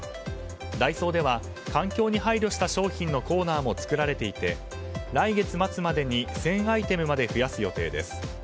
ダイソーでは、環境に配慮した商品のコーナーも作られていて来月末までに１０００アイテムまで増やす予定です。